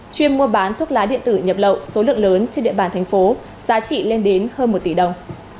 chuyên mua bán thuốc lá điện tử nhập lậu số lượng lớn trên địa bàn thành phố giá trị lên đến hơn một tỷ đồng